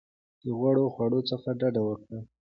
د غوړو خوړو څخه ډډه وکړئ.